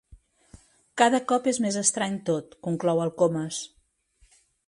Cada cop és més estrany tot —conclou el Comas—.